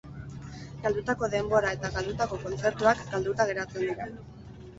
Galdutako denbora eta galdutako kontzertuak galduta geratzen dira.